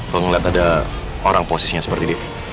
kalau ngeliat ada orang posisinya seperti itu